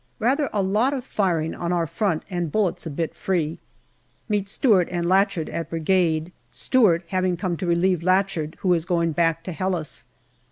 Rather a lot of firing on our front, and bullets a bit free. Meet Stewart and Lachard at Brigade, Stewart having come to relieve Lachard, who is going back to Helles.